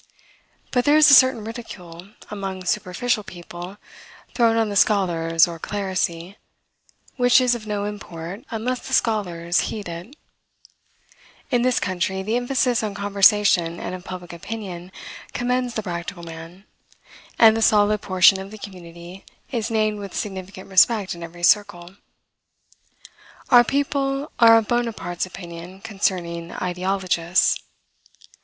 But there is a certain ridicule, among superficial people, thrown on the scholars or clerisy, which is of no import, unless the scholars heed it. In this country, the emphasis of conversation, and of public opinion, commends the practical man; and the solid portion of the community is named with significant respect in every circle. Our people are of Bonaparte's opinion concerning ideologists.